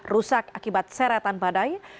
rusak akibat seretan badai